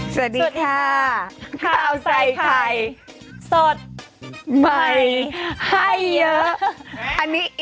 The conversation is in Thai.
สวัสดีค่ะข้าวใส่ไข่สดใหม่ให้เยอะ